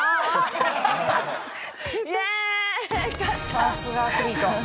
「さすがアスリート」